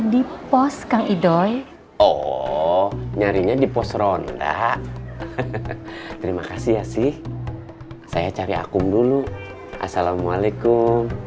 di pos kang idoy oh nyarinya di pos ronda terima kasih ya sih saya cari akun dulu assalamualaikum